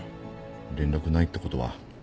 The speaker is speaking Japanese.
連絡ないってことは。